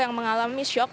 yang mengalami shock